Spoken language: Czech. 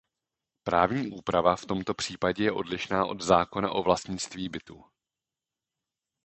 Právní úprava v tomto případě je odlišná od zákona o vlastnictví bytů.